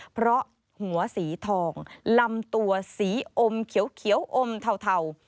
เพราะหัวสีทองลำตัวสีอมเขียวอมเทา